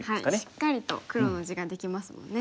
しっかりと黒の地ができますもんね。